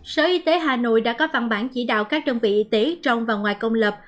sở y tế hà nội đã có văn bản chỉ đạo các đơn vị y tế trong và ngoài công lập